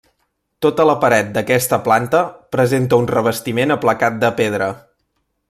Tota la paret d’aquesta planta presenta un revestiment aplacat de pedra.